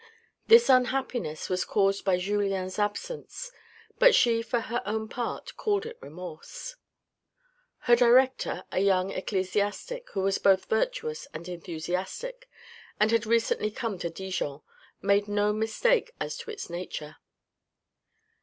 This unhappiness was caused by Julien's absence ; but she, for her own part, called it remorse. Her director, a young ecclesiastic, who was both virtuous and enthusiastic, and had recently come to Dijon, made no mistake as to its nature.